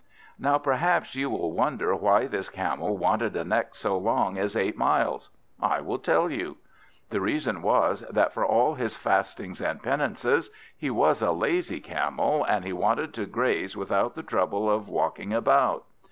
Now perhaps you will wonder why this Camel wanted a neck so long as eight miles? I will tell you. The reason was, that for all his fastings and penances, he was a lazy Camel, and he wanted to graze without the trouble of walking about.